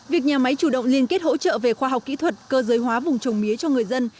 việc nhà máy chủ động liên kết hỗ trợ về khoa học kỹ thuật cơ giới hóa vùng trồng mía cho người dân